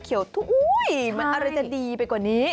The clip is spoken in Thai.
หูยมันอะไรจะดีไปกว่านี้